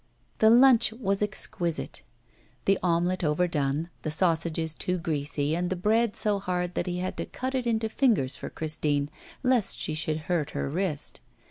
The lunch was exquisite: the omelette overdone, the sausages too greasy, and the bread so hard that he had to cut it into fingers for Christine lest she should hurt her wrist.